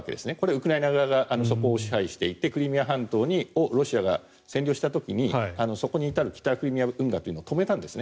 ウクライナ側がそこを支配していてクリミア半島をロシアが占領した時にそこに至る北クリミア運河というのを止めたんです。